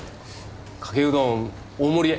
かけうどん大盛りで。